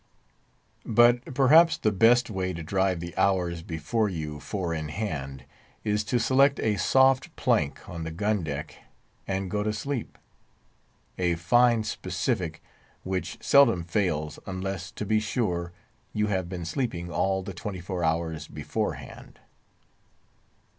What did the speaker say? But perhaps the best way to drive the hours before you four in hand, is to select a soft plank on the gun deck, and go to sleep. A fine specific, which seldom fails, unless, to be sure, you have been sleeping all the twenty four hours beforehand.